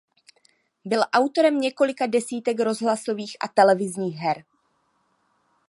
Byl autorem několika desítek rozhlasových a televizních her.